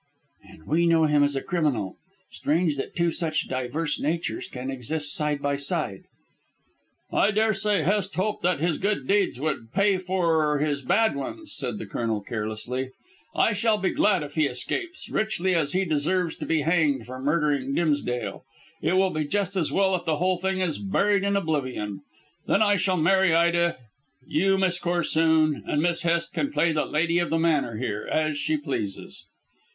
"And we know him as a criminal. Strange that two such diverse natures can exist side by side." "I daresay Hest hoped that his good deeds would pay for his bad ones," said the Colonel carelessly. "I shall be glad if he escapes, richly as he deserves to be hanged for murdering Dimsdale. It will be just as well if the whole thing is buried in oblivion. Then I shall marry Ida, you Miss Corsoon, and Miss Hest can play the lady of the manor here, as she pleases."